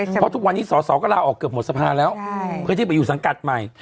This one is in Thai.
เพราะทุกวันนี้สอสอก็ลาออกเกือบหมดสภาแล้วเพื่อที่ไปอยู่สังกัดใหม่